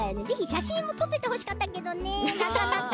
ぜひ写真を撮っておいてほしかったけどね。